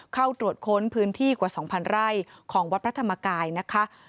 เข้าตรวจค้นพื้นที่กว่า๒๐๐ไร่ของวัดพระธรรมกายนะคะ